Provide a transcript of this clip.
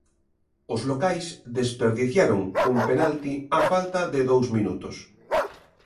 Os locais desperdiciaron un penalti á falta de dous minutos.